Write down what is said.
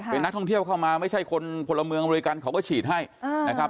เป็นนักท่องเที่ยวเข้ามาไม่ใช่คนพลเมืองอเมริกันเขาก็ฉีดให้นะครับ